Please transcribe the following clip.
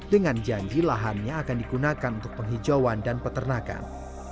dengan janji lahannya akan digunakan untuk penghijauan dan peternakan